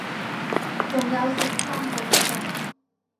仲有成三個咁多